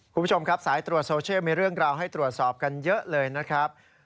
คุณผู้ชมครับสายตรวจโซเชียลมีเรื่องราวให้ตรวจสอบกันเยอะเลยนะครับ